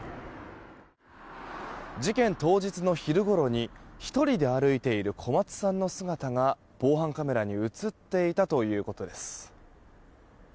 事件当日の昼ごろに１人で歩いている小松さんの姿が防犯カメラに映っていたということです。